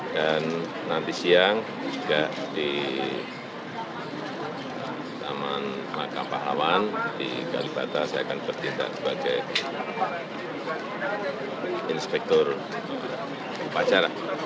dan nanti siang jika di taman makapahawan di kalibata saya akan bertindak sebagai inspektur pacara